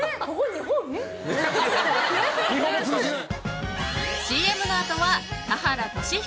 日本語、通じない。